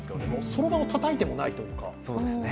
そろばんをたたいてもないというか。